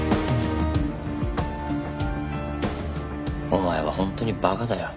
お前は本当に馬鹿だよ。